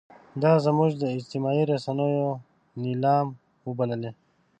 دا زموږ د اجتماعي رسنیو نیلام وبولئ.